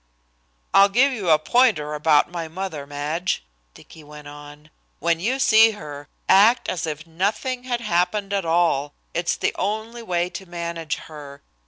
"I'll give you a pointer about mother, Madge," Dicky went on. "When you see her, act as if nothing had happened at all, it's the only way to manage her.